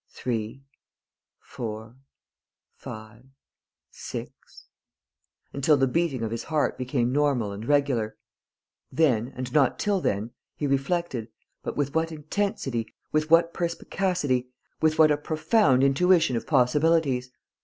Three.... Four.... Five.... Six" until the beating of his heart became normal and regular. Then and not till then, he reflected, but with what intensity, with what perspicacity, with what a profound intuition of possibilities!